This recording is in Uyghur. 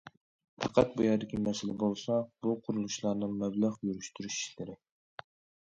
پەقەت بۇ يەردىكى مەسىلە بولسا بۇ قۇرۇلۇشلارنىڭ مەبلەغ يۈرۈشتۈرۈش ئىشلىرى.